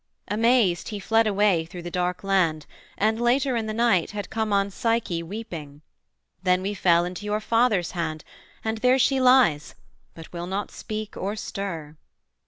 Amazed he fled away Through the dark land, and later in the night Had come on Psyche weeping: 'then we fell Into your father's hand, and there she lies, But will not speak, or stir.'